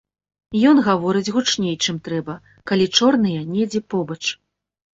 Ён гаворыць гучней, чым трэба, калі чорныя недзе побач.